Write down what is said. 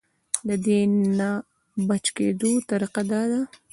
د دې نه د بچ کېدو طريقه دا ده -